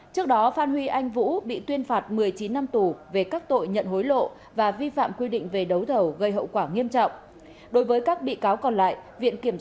trước đó phan huy anh vũ bị tuyên phạt một mươi chín năm tù về các tội nhận hối lộ và vi phạm quy định về đấu thầu gây hậu quả nghiêm trọng